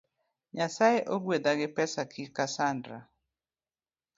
Nyasae ogwedha gi pesa kik asandra